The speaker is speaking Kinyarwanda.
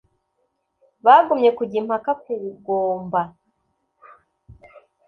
bagumye kujya impaka kugonba